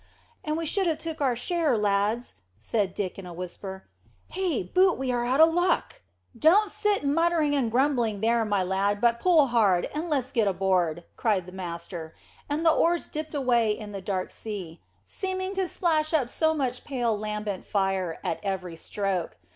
"And we should have took our share, lads," said Dick in a whisper. "Hey, boot we are out o' luck." "Don't sit muttering and grumbling there, my lad, but pull hard, and let's get aboard," cried the master, and the oars dipped away in the dark sea, seeming to splash up so much pale lambent fire at every stroke.